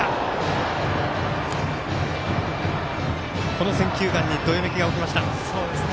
この選球眼にどよめきが起きました。